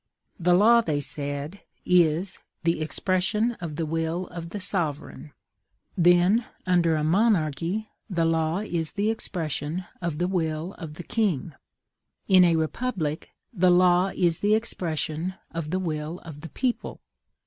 The law, they said, is THE EXPRESSION OF THE WILL OF THE SOVEREIGN: then, under a monarchy, the law is the expression of the will of the king; in a republic, the law is the expression of the will of the people.